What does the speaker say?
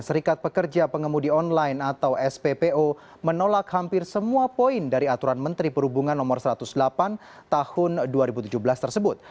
serikat pekerja pengemudi online atau sppo menolak hampir semua poin dari aturan menteri perhubungan no satu ratus delapan tahun dua ribu tujuh belas tersebut